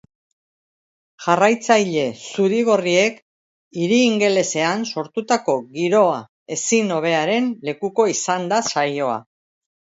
Jarraitzaile zuri-gorriek hiri ingelesean sortutako giro ezin hobearen lekuko izan da saioa.